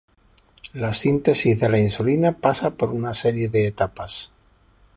La síntesis de la insulina pasa por una serie de etapas.